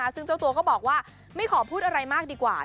ซึ่งเจ้าตัวก็บอกว่าไม่ขอพูดอะไรมากดีกว่า